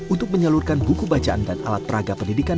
untuk menyalurkan buku bacaan dan alat peraga pendidikan